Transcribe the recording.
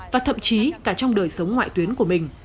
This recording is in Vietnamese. và thậm chí cả trong đời sống ngoại tuyến của mình